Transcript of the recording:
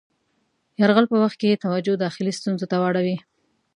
یرغل په وخت کې یې توجه داخلي ستونزو ته واړوي.